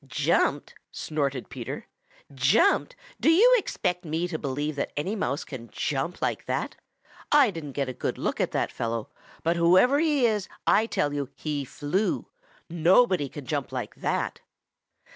"Jumped!" snorted Peter. "Jumped! Do you expect me to believe that any Mouse can jump like that? I didn't get a good look at that fellow, but whoever he is I tell you he flew. Nobody can jump like that."